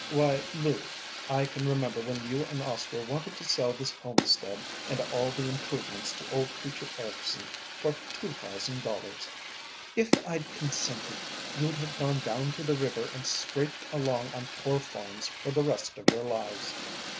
"Why, Lou, I can remember when you and Oscar wanted to sell this homestead and all the improvements to old preacher Ericson for two thousand dollars. If I'd consented, you'd have gone down to the river and scraped along on poor farms for the rest of your lives.